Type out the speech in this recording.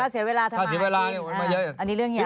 ค่าเสียเวลาทำลายทีนอันนี้เรื่องใหญ่